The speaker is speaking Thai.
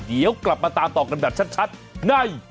เดี๋ยวกลับมาตามต่อกันแบบชัดใน